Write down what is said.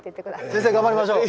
先生頑張りましょう。